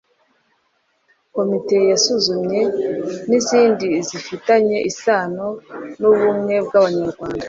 Komite yasuzumye n'izindi zifitanye isano n'ubumwe bw'Abanyarwanda